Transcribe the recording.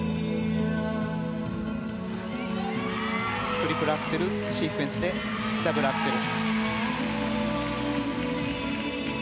トリプルアクセルシークエンスでダブルアクセル。